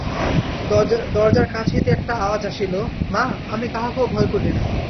দরজার কাছ হইতে একটা আওয়াজ আসিল মা, আমি কাহাকেও ভয় করি না।